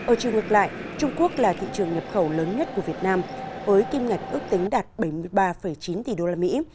ở chiều ngược lại trung quốc là thị trường nhập khẩu lớn nhất của việt nam với kim ngạch ước tính đạt bảy mươi ba chín tỷ đô la mỹ